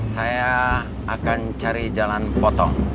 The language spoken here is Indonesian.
saya akan cari jalan potong